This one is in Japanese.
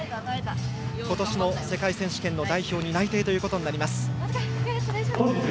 今年の世界選手権の代表に内定となります。